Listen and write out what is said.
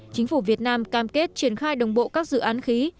chính phủ việt nam cam kết triển khai đồng bộ các dự án khí